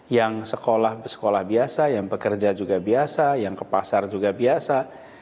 yang sekolah sekolah biasa yang pekerja juga biasa yang ke pasar juga biasa